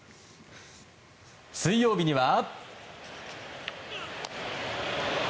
水曜日には。